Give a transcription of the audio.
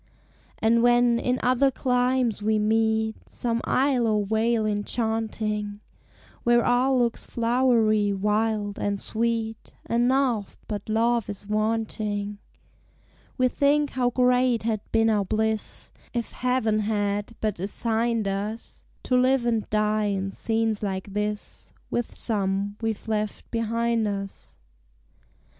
And when, in other climes, we meet Some isle or vale enchanting, Where all looks flowery, wild, and sweet, And naught but love is wanting; We think how great had been our bliss If Heaven had but assigned us To live and die in scenes like this, With some we've left behind us!